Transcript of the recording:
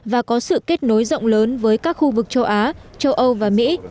và có sự kết nối rộng lớn với các khu vực châu á châu âu và mỹ